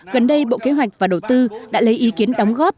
gần đây bộ kế hoạch và đầu tư đã lấy ý kiến đóng góp